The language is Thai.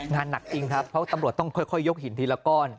งานหนักจริงครับเพราะตำรวจต้องค่อยยกหินทีละก้อน